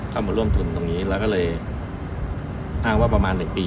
เข้ามาร่วมทุนตรงนี้แล้วก็เลยอ้างว่าประมาณ๑ปี